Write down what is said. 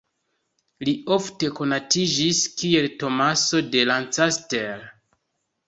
Li ofte konatiĝis kiel Tomaso de Lancaster.